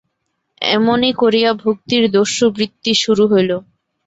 এমনি করিয়া ভক্তির দস্যুবৃত্তি শুরু হইল।